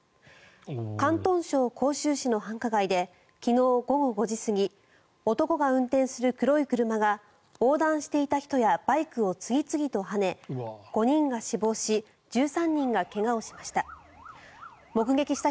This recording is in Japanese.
広東省広州市の繁華街で昨日午後５時過ぎ男が運転する黒い車が横断していた人やバイクを次々とはね５人が死亡し１３人が怪我をしました。